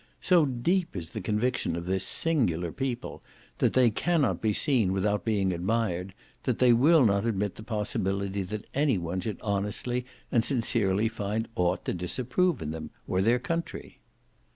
So deep is the conviction of this singular people that they cannot be seen without being admired, that they will not admit the possibility that anyone should honestly and sincerely find aught to disapprove in them, or their country.